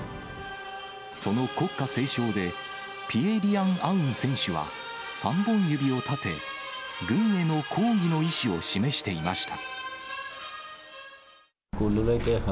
その国歌斉唱で、ピエ・リアン・アウン選手は、３本指を立て、軍への抗議の意思を示していました。